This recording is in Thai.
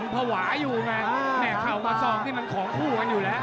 ภาวะอยู่ไงแม่เข่ามาซองนี่มันของคู่กันอยู่แล้ว